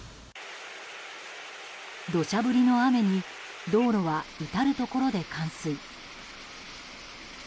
土砂降りの雨に道路は至るところで冠水。